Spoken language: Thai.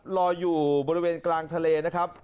ลอยอยู่บริเวณกลางทะเลนะครับ